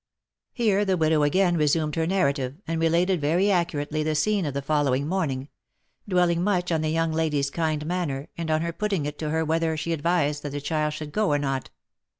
Here the widow again resumed her narrative, and related very ac curately the scene of the following morning; dwelling much on the young lady's kind manner, and on her own putting it to her whether she advised that the child should go, or not.